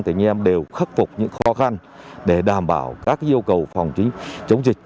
tỉnh em đều khắc phục những khó khăn để đảm bảo các yêu cầu phòng chống dịch